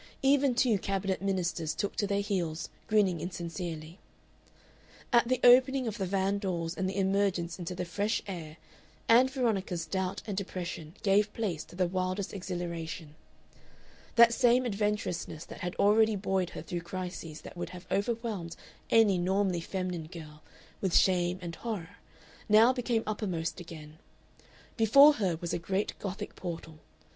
Even two Cabinet Ministers took to their heels, grinning insincerely. At the opening of the van doors and the emergence into the fresh air Ann Veronica's doubt and depression gave place to the wildest exhilaration. That same adventurousness that had already buoyed her through crises that would have overwhelmed any normally feminine girl with shame and horror now became uppermost again. Before her was a great Gothic portal.